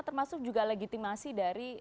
termasuk juga legitimasi dari